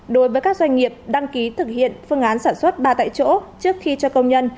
đối với các doanh nghiệp đăng ký thực hiện phương án sản xuất ba tại chỗ trước khi cho công nhân